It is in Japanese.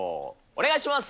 お願いします。